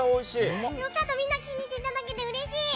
みんな気に入っていただけてうれしい！